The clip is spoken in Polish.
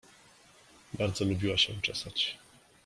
Bardzo lubiła się czesać.